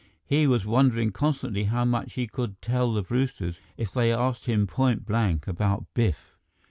He was wondering constantly how much he could tell the Brewsters if they asked him point blank about Biff.